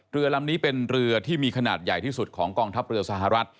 เรือลำนี้เป็นเรือที่มีขนาดใหญ่ที่สุดของกองทัพเรือสหรัฐ